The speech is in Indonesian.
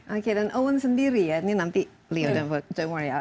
oke dan owen sendiri ya ini nanti leo demore ya